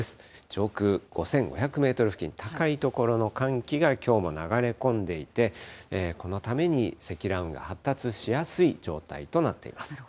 上空５５００メートル付近、高い所の寒気がきょうも流れ込んでいて、このために積乱雲が発達しやすい状態となっています。